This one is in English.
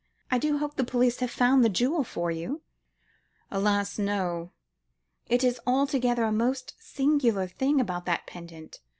I do hope the police have found the jewel for you." "Alas! no. It is altogether a most singular thing about that pendant.